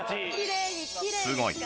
すごい。